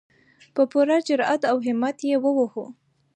په پوره جرئت او همت یې ووهو.